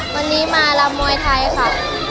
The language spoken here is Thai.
วันนี้มารำมวยไทยค่ะ